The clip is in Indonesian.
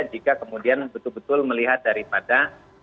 jika kemudian betul betul melihat daripada